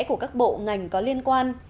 của các bộ ngành có liên quan